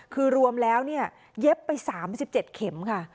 คือรวมแล้วเย็บไป๓๗เข็มค่ะ